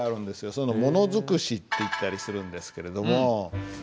そういうの「ものづくし」っていったりするんですけれども。